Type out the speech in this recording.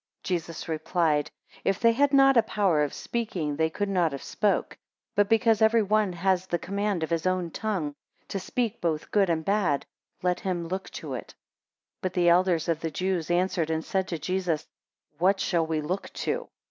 5 Jesus replied, If they had not a power of speaking, they could not have spoke; but because every one has the command of his own tongue, to speak both good and bad, let him look to it. 6 But the elders of the Jews answered, and said to Jesus, What shall we look to?